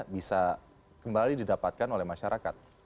bisa kembali didapatkan oleh masyarakat